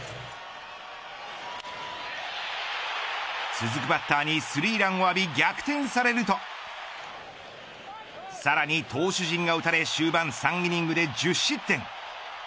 続くバッターにスリーランを浴び逆転されるとさらに投手陣が打たれ終盤３イニングで１０失点。